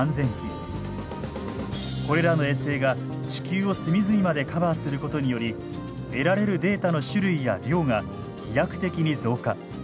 これらの衛星が地球を隅々までカバーすることにより得られるデータの種類や量が飛躍的に増加。